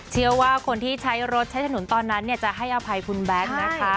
เชื่อว่าคนที่ใช้รถใช้ถนนตอนนั้นจะให้อภัยคุณแบงค์นะคะ